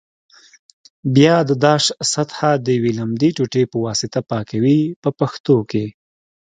بیا د داش سطحه د یوې لمدې ټوټې په واسطه پاکوي په پښتو کې.